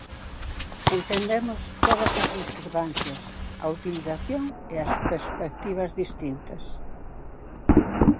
Entendemos todas as discrepancias, a utilización e as perspectivas distintas.